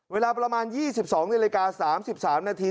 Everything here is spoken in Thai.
เวลาประมาณ๒๒นาฬิกา๓๓นาที